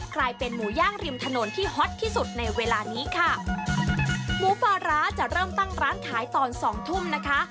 กลายเป็นหมูย่างริมถนนที่ฮอตที่สุดในเวลานี้ค่ะหมูปลาร้าจะเริ่มตั้งร้านขายตอนสองทุ่มนะคะ